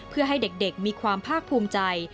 เพื่อให้เด็กมีความภาคภูมิใจ